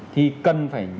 thì cần phải